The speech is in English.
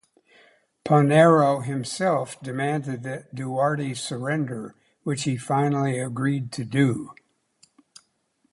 Paunero himself demanded that Duarte surrender, which he finally agreed to do.